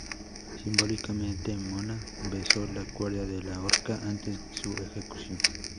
Simbólicamente Mona besó la cuerda de la horca antes de su ejecución.